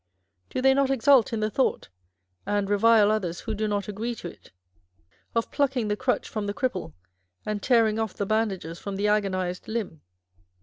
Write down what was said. Do they not exult in the thought (and revile others who do not agree to it) of plucking the crutch from the cripple, and tearing off the bandages from the agonized limb?